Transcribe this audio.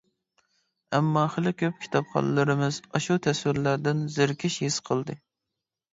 ئەمما خېلى كۆپ كىتابخانلىرىمىز ئاشۇ تەسۋىرلەردىن زېرىكىش ھېس قىلدى.